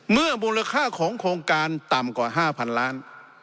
เมื่อมูลค่าของโครงการต่ำกว่า๕พันล้าน